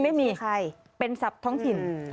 ไม่มีเป็นทรัพย์ท้องถิ่น